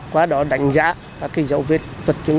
và đó đánh giá các dầu vết vật chứng